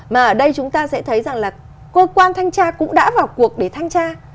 mà ở đây chúng ta sẽ thấy rằng là cơ quan thanh tra cũng đã vào cuộc để thanh tra